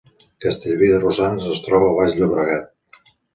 Castellví de Rosanes es troba al Baix Llobregat